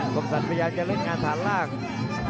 ทรัพยาการเล่นงานทานราช